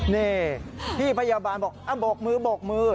นี่พี่พยาบาลบอกบกมือ